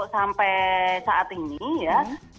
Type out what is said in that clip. sampai saat ini ya